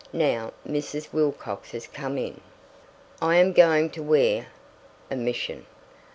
Now Mrs. Wilcox has come in. I am going to wear [omission].